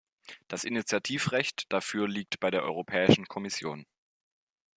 Das Initiativrecht dafür liegt bei der Europäischen Kommission.